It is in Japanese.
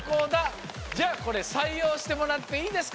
じゃあこれさいようしてもらっていいですか？